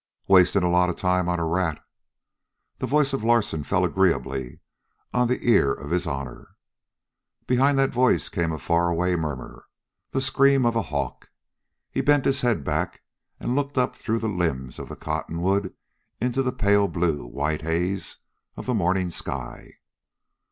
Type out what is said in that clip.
"Wasting a lot of time on a rat!" The voice of Larsen fell agreeably upon the ear of his honor. Behind that voice came a faraway murmur, the scream of a hawk. He bent his head back and looked up through the limbs of the cottonwood into the pale blue white haze of the morning sky.